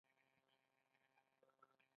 گازرې چې له غوښې سره یو ځای پخې شي خوند کوي.